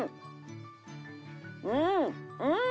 うん。